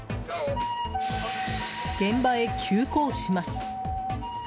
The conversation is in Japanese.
現場へ急行します。